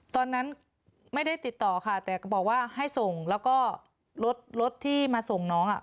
ตอนนั้นไม่ได้ติดต่อค่ะแต่ก็บอกว่าให้ส่งแล้วก็รถรถที่มาส่งน้องอ่ะ